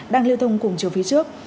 đang lưu thông cùng chiều phía trước